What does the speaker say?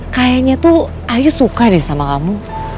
kayaknya tuh ayah suka deh sama kamu